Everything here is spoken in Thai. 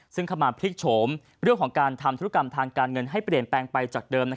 ซึ่งเข้ามาพลิกโฉมเรื่องของการทำธุรกรรมทางการเงินให้เปลี่ยนแปลงไปจากเดิม